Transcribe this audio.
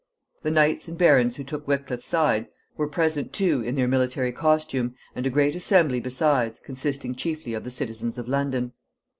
The knights and barons who took Wickliffe's side were present too in their military costume, and a great assembly besides, consisting chiefly of the citizens of London.